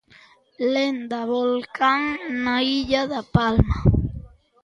Lenda: Volcán na illa da Palma.